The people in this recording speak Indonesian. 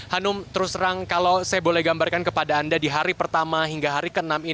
hanum terus terang kalau saya boleh gambarkan kepada anda di hari pertama hingga hari ke enam ini